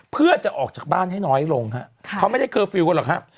เพื่อจะออกจากบ้านให้น้อยลงฮะเขาไม่ได้เคอร์ฟิลลกันหรอกครับ